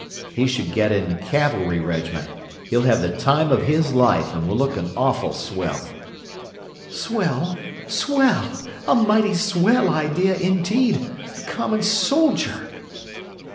"He should get in a cavalry regiment; he'll have the time of his life, and will look an awful swell." "Swell!—swell!—a mighty swell idea indeed!—a common soldier!"